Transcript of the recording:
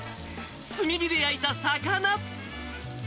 炭火で焼いた魚。